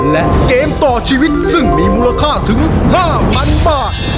และเกมต่อชีวิตซึ่งมีมูลค่าถึง๕๐๐๐บาท